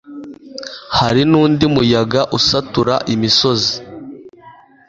hari n'undi muyaga usatura imisozi